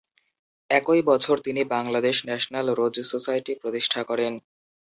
একই বছর তিনি বাংলাদেশ ন্যাশনাল রোজ সোসাইটি প্রতিষ্ঠা করেন।